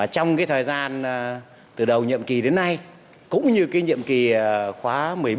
trong cái thời gian từ đầu nhiệm kỳ đến nay cũng như nhiệm kỳ khóa một mươi bốn